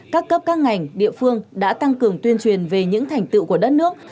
các cấp các ngành địa phương đã tăng cường tuyên truyền về những thành tựu của đất nước